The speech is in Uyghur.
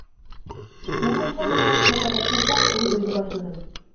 مەنمۇ چاندۇرماي چوڭ قەدەم تاشلاپ ئۇنى ئۆيگە باشلىدىم.